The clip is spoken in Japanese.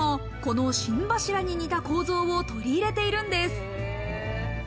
スカイツリーでも、この心柱に似た構造を取り入れているんです。